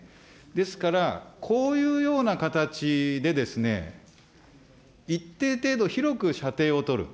ですから、こういうような形でですね、一定程度、広く射程を取る。